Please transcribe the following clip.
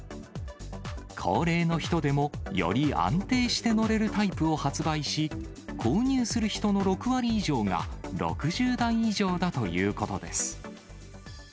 高齢の人でもより安定して乗れるタイプを発売し、購入する人の６割以上が６０代以上だということです。